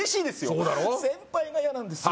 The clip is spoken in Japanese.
そうだろ先輩が嫌なんですよ